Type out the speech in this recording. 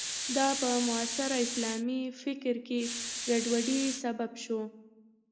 دا په معاصر اسلامي فکر کې ګډوډۍ سبب شو.